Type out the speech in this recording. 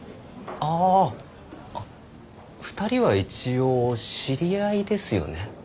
あ２人は一応知り合いですよね？